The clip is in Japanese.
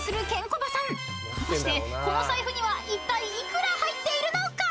［果たしてこの財布にはいったい幾ら入っているのか？］